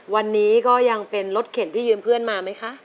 วันนี้ก็ยังเป็นรถเข็นที่ยืมเพื่อนมาไหมคะ